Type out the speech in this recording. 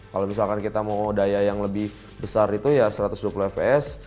kalau misalkan kita mau daya yang lebih besar itu ya satu ratus dua puluh fps